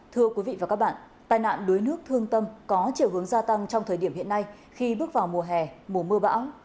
thưa quý vị và các bạn tai nạn đuối nước thương tâm có chiều hướng gia tăng trong thời điểm hiện nay khi bước vào mùa hè mùa mưa bão